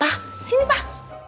pak sini pak